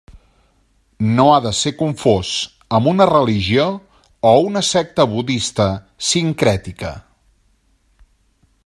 No ha de ser confós amb una religió o una secta Budista sincrètica.